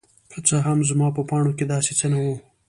که څه هم زما په پاڼو کې داسې څه نه وو.